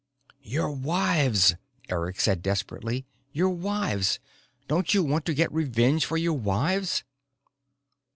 "Your wives," Eric said desperately. "Your wives. Don't you want to get revenge for your wives?"